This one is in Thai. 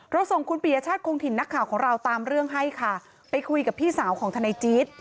ส่งคุณปียชาติคงถิ่นนักข่าวของเราตามเรื่องให้ค่ะไปคุยกับพี่สาวของทนายจี๊ด